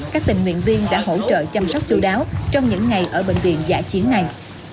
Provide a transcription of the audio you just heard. các tình nguyện viên đã hỗ trợ chăm sóc chú đáo trong những ngày ở bệnh viện giả chiến này